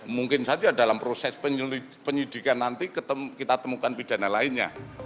mungkin saja dalam proses penyelidikan nanti kita temukan pidana lainnya